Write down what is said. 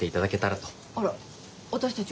あら私たち